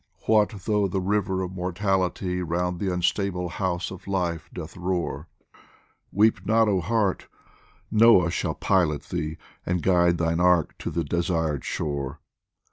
What though the river of mortality Round the unstable house of Life doth roar, Weep not, oh heart, Noah shall pilot thee, And guide thine ark to the desired shore